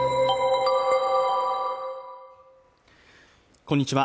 こんにちは